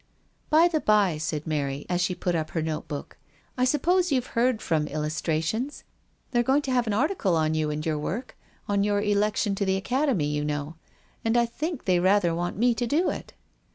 " By the bye," said Mary, as she put up her note book, " I suppose you've heard from Illustrations t They're going to have an article on you and your work, on your elec tion to the Academy, you know. And I think they rather want me to do it."